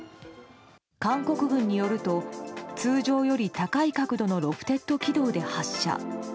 韓国軍によると通常より高い角度のロフテッド軌道で発射。